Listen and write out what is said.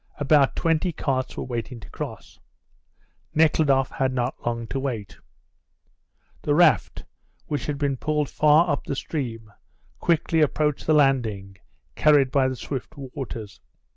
About twenty carts were waiting to cross. Nekhludoff had not long to wait. The raft, which had been pulled far up the stream, quickly approached the landing, carried by the swift waters.